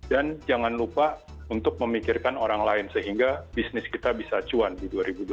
dan jangan lupa untuk memikirkan orang lain sehingga bisnis kita bisa cuan di dua ribu dua puluh satu